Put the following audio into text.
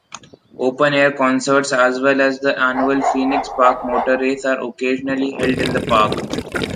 Open-air concerts as well as the annual "Phoenix Park Motor Race" are occasionally held in the park.